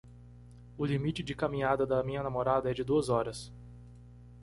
O limite de caminhada da minha namorada é de duas horas.